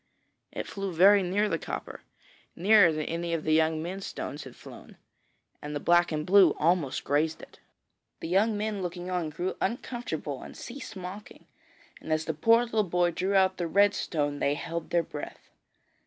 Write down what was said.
It flew very near the copper, nearer than any of the young men's stones had flown, and the black and the blue almost grazed it. The young men looking on grew uncomfortable and ceased mocking, and as the poor little boy drew out the red stone, they held their breath.